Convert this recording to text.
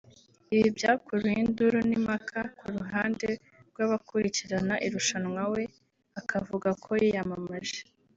Ibi byakuruye induru n’impaka ku ruhande rw’abakurikirana irushanwa we akavuga ko yiyamamaje